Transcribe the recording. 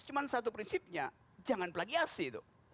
cuma satu prinsipnya jangan plagiasi tuh